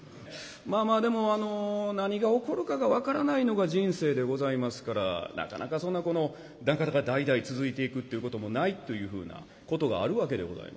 まあまあでもあの何が起こるかが分からないのが人生でございますからなかなかそんなこのなかなか代々続いていくっていうこともないというふうなことがあるわけでございます。